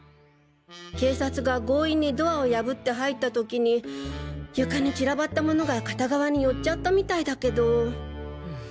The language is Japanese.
警察が強引にドアを破って入ったときに床に散らばった物が片側に寄っちゃったみたいだけど。